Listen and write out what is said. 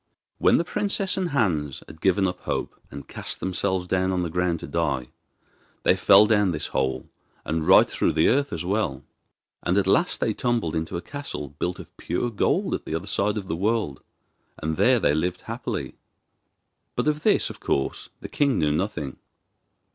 When the princess and Hans had given up hope, and cast themselves down on the ground to die, they fell down this hole, and right through the earth as well, and at last they tumbled into a castle built of pure gold at the other side of the world, and there they lived happily. But of this, of course, the king knew nothing.